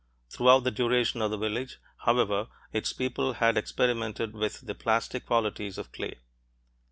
Throughout the duration of the village, however, its people had experimented with the plastic qualities of clay.